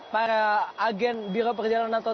para agen biro perjalanan atau